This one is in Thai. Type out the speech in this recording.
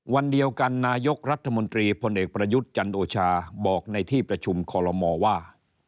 วันเดียวกันนายกรัฐมนตรีพลเอกประยุทธ์จันโอชาบอกในที่ประชุมคอลโลมอว่า